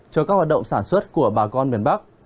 cho các hoạt động sản xuất của bà con miền bắc